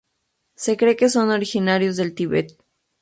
Se cree que son originarios del Tíbet.